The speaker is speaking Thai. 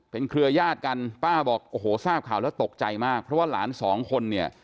เครือยาศกันป้าบอกโอ้โหทราบข่าวแล้วตกใจมากเพราะว่าหลานสองคนเนี่ย